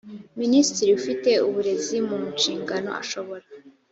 minisitiri ufite uburezi mu nshingano ashobora